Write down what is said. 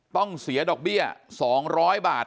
ต้องเสียดอกเบี้ยสองร้อยบาท